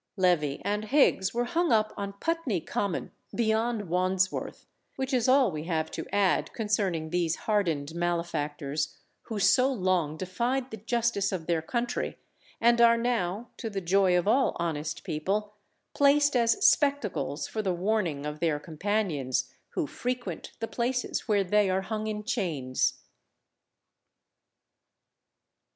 Levee and Higgs were hung up on Putney Common, beyond Wandsworth, which is all we have to add concerning these hardened malefactors who so long defied the justice of their country, and are now, to the joy of all honest people, placed as spectacles for the warning of their companions who frequent the places where they are hung in chains.